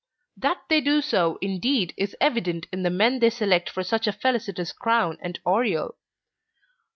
That they do so indeed is evident in the men they select for such a felicitous crown and aureole.